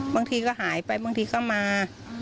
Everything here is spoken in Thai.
บางทีก็หายไปบางทีก็มา